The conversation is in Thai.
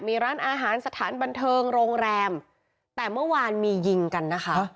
มีร้านอาหารสถานบันเทิงโรงแรมแต่เมื่อวานมียิงกันนะคะ